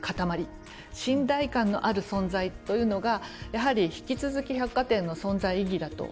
信頼感のある存在というのがやはり引き続き百貨店の存在意義だと思うんですね。